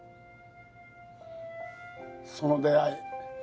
その出会い